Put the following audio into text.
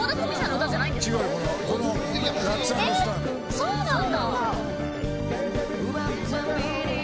そうなんだ。